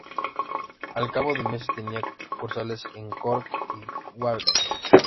Al cabo de meses tenía sucursales en Cork y Galway.